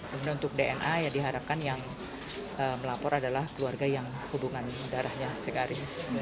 kemudian untuk dna ya diharapkan yang melapor adalah keluarga yang hubungan darahnya segaris